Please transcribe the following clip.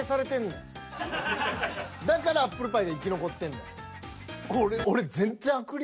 だからアップルパイが生き残ってんねん。